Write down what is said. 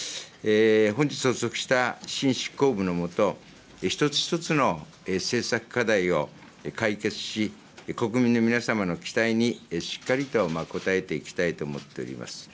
本日発足した新執行部の下、一つ一つの政策課題を解決し、国民の皆様の期待にしっかりと応えていきたいと思っております。